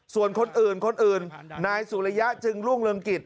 ส่วนคนอื่นคนอื่นนายสุริยะจึงรุ่งเรืองกิจ